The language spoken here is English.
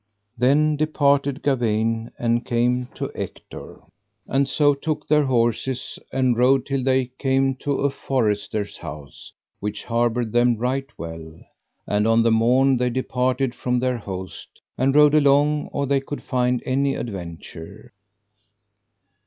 Then departed Gawaine and came to Ector, and so took their horses and rode till they came to a forester's house, which harboured them right well. And on the morn they departed from their host, and rode long or they could find any adventure.